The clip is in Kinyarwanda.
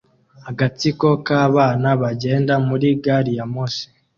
Agatsiko k'abana bagenda muri gari ya moshi